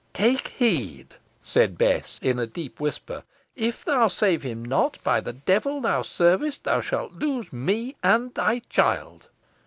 "Take heed," said Bess, in a deep whisper; "if thou save him not, by the devil thou servest! thou shalt lose me and thy child."